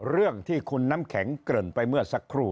เรื่องที่คุณน้ำแข็งเกริ่นไปเมื่อสักครู่